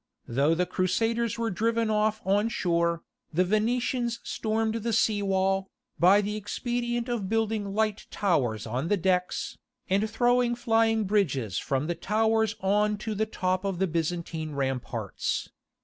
Though the Crusaders were driven off on shore, the Venetians stormed the sea wall, by the expedient of building light towers on the decks, and throwing flying bridges from the towers on to the top of the Byzantine ramparts.